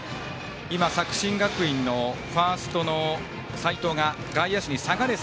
作新学院のファーストの齋藤が外野手に「下がれ」と。